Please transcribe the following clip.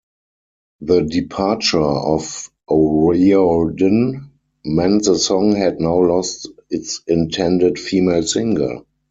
The departure of O'Riordan meant the song had now lost its intended female singer.